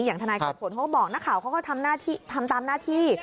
ทนายเกิดผลเขาก็บอกนักข่าวเขาก็ทำตามหน้าที่